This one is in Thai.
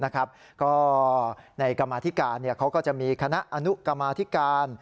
ก็ในกรรมาธิการเขาก็จะมีคณะอนุกรรมาธิการ